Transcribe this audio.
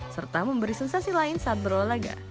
serta memberi sensasi lain saat berolahraga